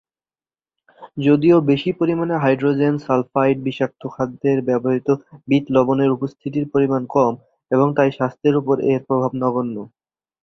যদিও বেশি পরিমানে হাইড্রোজেন সালফাইড বিষাক্ত, খাদ্যে ব্যবহৃত বিট লবণের উপস্থিতির পরিমাণ কম এবং তাই স্বাস্থ্যের উপর এর প্রভাব নগণ্য।